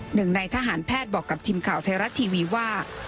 หนึ่งในทหารแพทย์บอกกับทีมข่าวไทยรัฐทีวีว่า